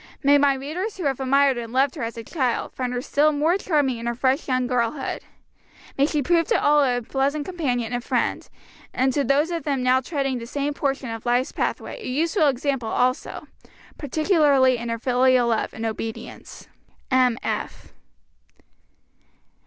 May my readers who have admired and loved her as a child find her still more charming in her fresh young girlhood; may she prove to all a pleasant companion and friend; and to those of them now treading the same portion of life's pathway a useful example also, particularly in her filial love and obedience. M.F.